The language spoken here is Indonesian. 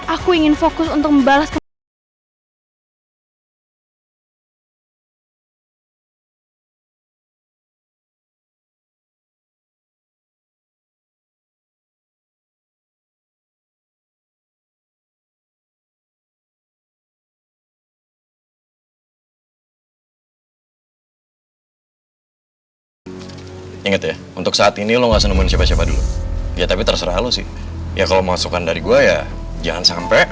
aku ingin fokus untuk membalas kemampuan